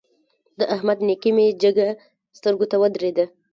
د احمد نېکي مې جګه سترګو ته ودرېده.